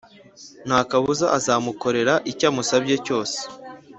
ntakabuza azamukorera icyamusabye cyose.